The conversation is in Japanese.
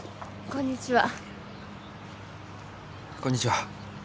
こんにちは。